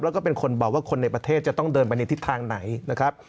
แล้วก็เป็นคนบอกว่าคนในประเทศจะต้องเดินไปในทิศทางไหนนะครับ